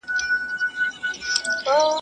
چي نه مرو، لا به واورو.